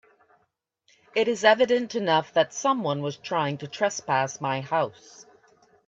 It is evident enough that someone was trying to trespass my house.